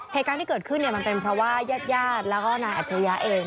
เหตุการณ์ที่เกิดขึ้นเนี่ยมันเป็นเพราะว่าญาติญาติแล้วก็นายอัจฉริยะเอง